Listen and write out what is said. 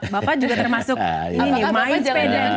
bapak juga termasuk main sepeda